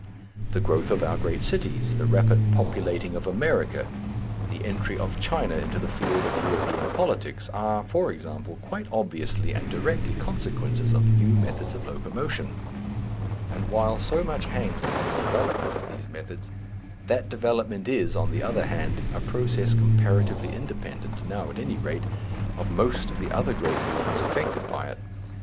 The growth of our great cities, the rapid populating of America, the entry of China into the field of European politics are, for example, quite obviously and directly consequences of new methods of locomotion. And while so much hangs upon the development of these methods, that development is, on the other hand, a process comparatively independent, now at any rate, of most of the other great movements affected by it.